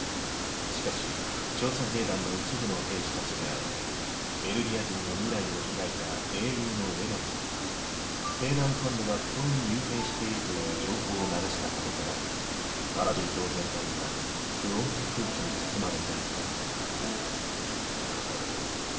しかし調査兵団の一部の兵士たちがエルディア人の未来を開いた英雄のエレンを兵団幹部が不当に幽閉しているという情報を流したことからパラディ島全体は不穏な空気に包まれていたハァ。